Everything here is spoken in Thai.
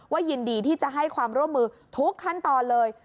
ยินดีที่จะให้ความร่วมมือทุกขั้นตอนเลย